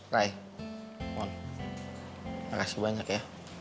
rai mon makasih banyak ya